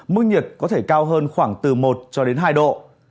mức nhiệt có thể cao hơn khoảng từ một cho đến hai độ